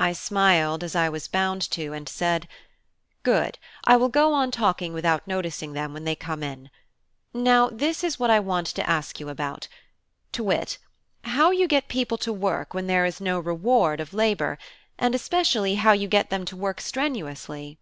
I smiled, as I was bound to, and said: "Good; I will go on talking without noticing them when they come in. Now, this is what I want to ask you about to wit, how you get people to work when there is no reward of labour, and especially how you get them to work strenuously?"